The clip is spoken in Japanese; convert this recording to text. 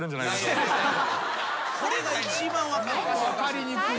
これが一番分かんない。